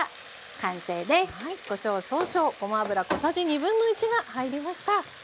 はいこしょう少々ごま油小さじ1/2が入りました。